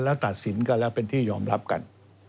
แล้วตัดสินกันแล้วเป็นที่ยอมรับกัน